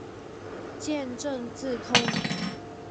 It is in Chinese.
见正字通。